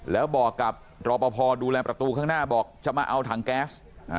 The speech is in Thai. แล้วบอกกับรอปภดูแลประตูข้างหน้าบอกจะมาเอาถังแก๊ส